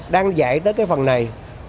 đang dạy tới cái phần này